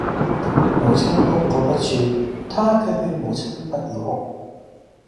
母親哭個不住，他卻勸母親不要哭；